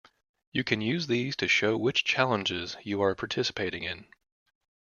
You can use these to show which challenges you are participating in.